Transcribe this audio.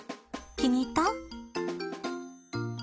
気に入った？